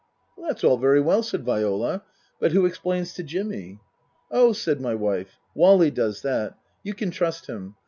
" That's all very well," said Viola, " but who explains to Jimmy ?"" Oh," said my wife, " Wally does that. You can trust him.